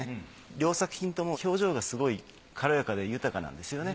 両作品とも表情がすごい軽やかで豊かなんですよね。